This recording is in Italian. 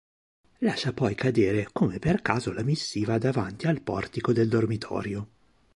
Lascia poi cadere come per caso la missiva davanti al portico del dormitorio.